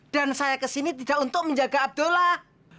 dan saya kesini tidak untuk menjaga abdullah